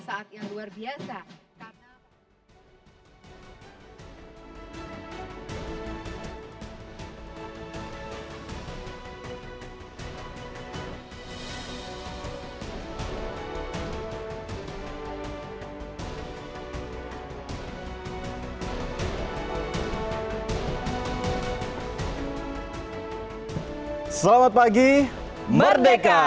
selamat pagi merdeka